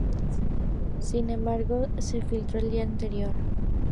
Sin embargo, se filtró el día anterior.